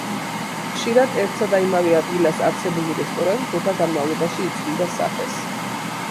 ხშირად ერთსა და იმავე ადგილას არსებული რესტორანი დროთა განმავლობაში იცვლიდა სახეს.